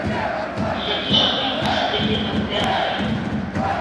Il est aujourd'hui considéré comme perdu.